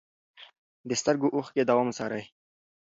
د سترګو اوښکې دوام وڅارئ.